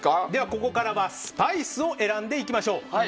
ここからはスパイスを選んでいきましょう。